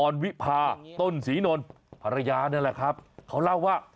วิพาต้นศรีนนท์ภรรยานี่แหละครับเขาเล่าว่า